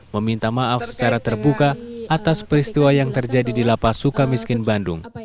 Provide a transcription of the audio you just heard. meminta maaf secara terbuka atas peristiwa yang terjadi di lapa sukamiskin bandung